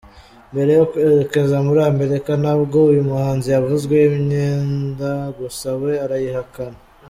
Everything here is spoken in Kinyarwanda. Mbere yo kwerekeza muri Amerika nabwo, uyu muhanzi yavuzweho imyenda gusa we arayikana.